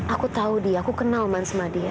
aku tahu dia aku kenal man sama dia